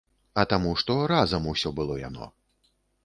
А таму, што разам усё было яно.